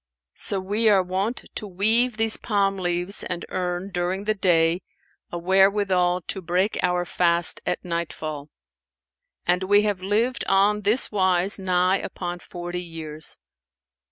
So we are wont to weave these palm leaves and earn, during the day, a wherewithal to break our fast at nightfall; and we have lived on this wise nigh upon forty years.